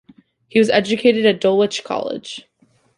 He was educated at Dulwich College.